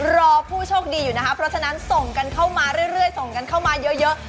รอผู้โชคดีอยู่นะคะเพราะฉะนั้นส่งกันเข้ามาเรื่อยส่งกันเข้ามาเยอะ